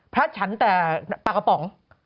พระฉันแต่ปากกระป๋อง